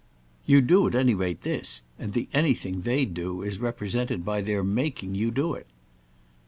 "You'd do at any rate this, and the 'anything' they'd do is represented by their making you do it."